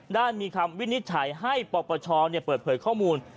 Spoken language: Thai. ได้มีคำวินิจฉัยให้ปปชเปิดเผยข้อมูล